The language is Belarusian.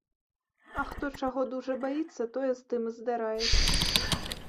А хто чаго дужа баіцца, тое з тым і здараецца.